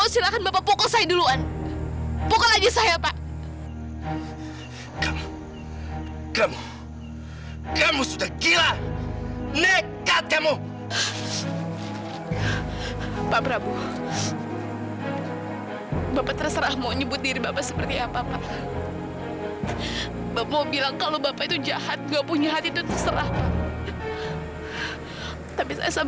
sampai jumpa di video selanjutnya